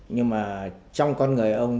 nhưng mà trong con người ông